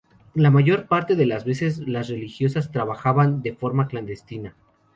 La mayor parte de las veces, las religiosas trabajaban de forma clandestina.